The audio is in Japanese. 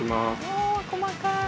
お細かい。